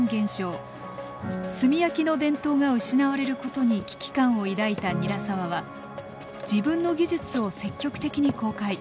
炭焼きの伝統が失われることに危機感を抱いた韮澤は自分の技術を積極的に公開。